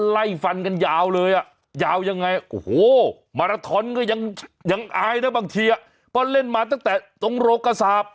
ไล่ฟันกันยาวเลยอ่ะยาวยังไงโอ้โหมาราทอนก็ยังอายนะบางทีก็เล่นมาตั้งแต่ตรงโรคสาป